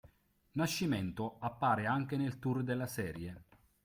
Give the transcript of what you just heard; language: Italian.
Nascimento appare anche nel tour della serie.